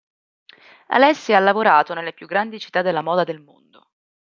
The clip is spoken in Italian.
Alessia ha lavorato nelle più grandi città della moda del mondo.